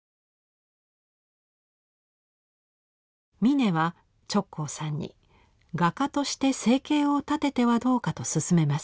峯は直行さんに画家として生計を立ててはどうかと勧めます。